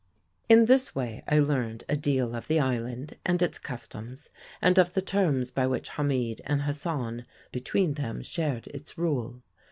"In this way I learned a deal of the island and its customs, and of the terms by which Hamid and Hassan between them shared its rule.